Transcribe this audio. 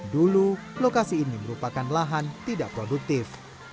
dulu lokasi ini merupakan lahan tidak produktif